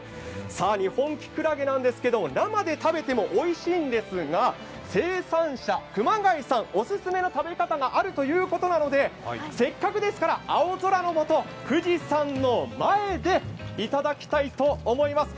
日本きくらげなんですけど生で食べてもおいしいんですが生産者、熊谷さんお勧めの食べ方があるということなのでせっかくですから青空のもと、富士山の前でいただきたいと思います。